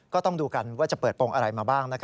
ก็ต้องดูกันว่าจะเปิดโปรงอะไรมาบ้าง